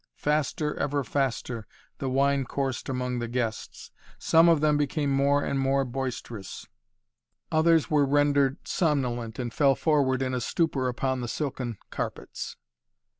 Faster, ever faster, the wine coursed among the guests. Some of them became more and more boisterous, others were rendered somnolent and fell forward in a stupor upon the silken carpets.